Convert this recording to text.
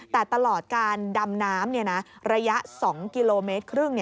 แต่ตลอดการดำน้ำระยะ๒กิโลเมตรครึ่ง